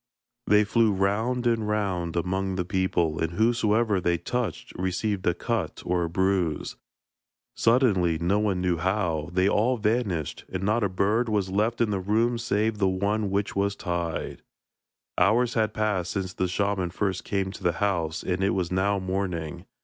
They flew round and round among the people, and whosoever they touched received a cut or a bruise. Suddenly no one knew how they all vanished, and not a bird was left in the room save the one which was tied. Hours had passed since the shaman first came to the house, and it was now morning.